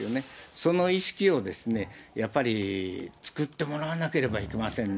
その意識をやっぱり作ってもらわなければいけませんね。